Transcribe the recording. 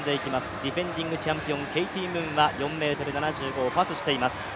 ディフェンディングチャンピオン、ケイティ・ムーンは４ｍ７５をパスしています。